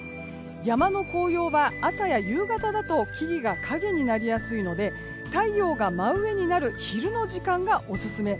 山の紅葉は朝や夕方だと木々が影になりやすいので太陽が真上になる昼の時間がオススメ。